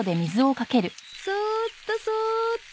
そーっとそーっと。